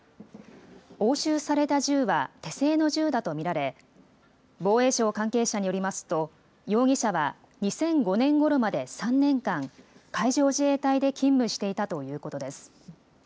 押収された銃は手製の銃だと見られ、防衛省関係者によりますと、容疑者は２００５年ごろまで３年間、海上自衛隊で勤務していたということです。